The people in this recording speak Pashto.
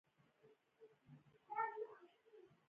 هغه له زیات ترس نه کلک شو.